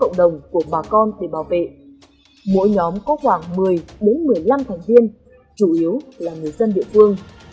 cộng đồng của bà con để bảo vệ mỗi nhóm có khoảng một mươi một mươi năm thành viên chủ yếu là người dân địa phương